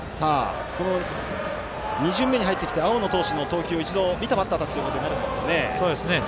２巡目に入ってきて青野投手の投球を一度見たバッターたちとなるんですよね。